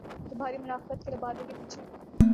تو بھاری منافقت کے لبادے کے پیچھے۔